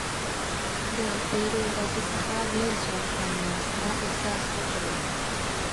د تېرې ورځې څخه ډېر ځواکمن یاست دا احساس ورکړئ.